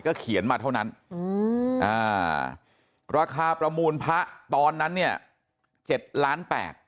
เขียนมาเท่านั้นราคาประมูลพระตอนนั้นเนี่ย๗ล้านแปด